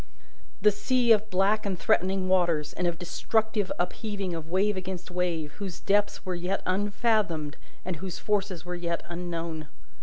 The sea of black and threatening waters, and of destructive upheaving of wave against wave, whose depths were yet unfathomed and whose forces were yet unknown.